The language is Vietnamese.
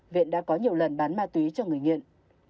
viện đã có nhiều lần bán ma túy cho người nghiện